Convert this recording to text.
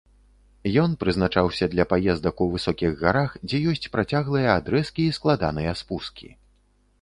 Ён прызначаўся для паездак у высокіх гарах, дзе ёсць працяглыя адрэзкі і складаныя спускі.